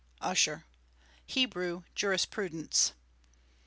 [USHER]. HEBREW JURISPRUDENCE.